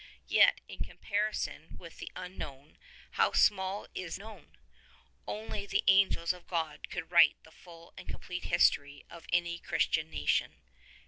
Yet in comparison with the unknown how small is the known ! Only the angels of God could write the full and complete history of any Christian nation.